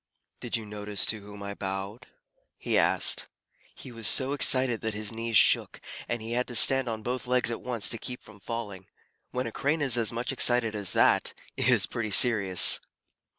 "Did you notice to whom I bowed?" he asked. He was so excited that his knees shook, and he had to stand on both legs at once to keep from falling. When a Crane is as much excited as that, it is pretty serious.